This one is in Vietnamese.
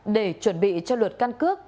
để chuẩn bị cho luật căn cước